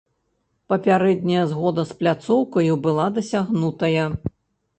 Папярэдняя згода з пляцоўкаю была дасягнутая.